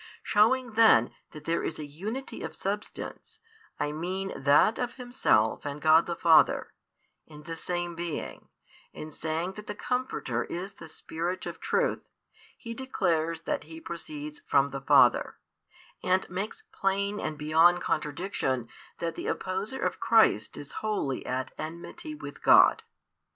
Showing then that there is a Unity of Substance, I mean that of Himself and God the Father, in the same Being, in saying that the Comforter is the Spirit of truth He declares that He proceeds from the Father, and makes plain and beyond contradiction that the opposer of Christ is wholly at enmity with God.